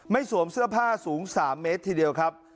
สวมเสื้อผ้าสูง๓เมตรทีเดียวครับ